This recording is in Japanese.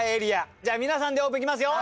じゃあ皆さんでオープン行きますよ。